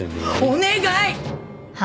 お願い！